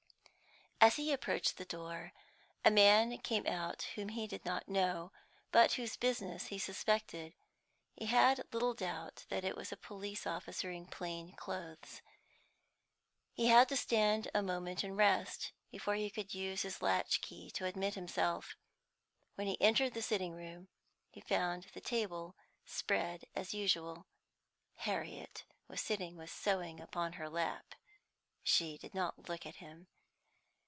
As he approached the door, a man came out whom he did not know, but whose business he suspected. He had little doubt that it was a police officer in plain clothes. He had to stand a moment and rest, before he could use his latchkey to admit himself. When he entered the sitting room, he found the table spread as usual. Harriet was sitting with sewing upon her lap. She did not look at him.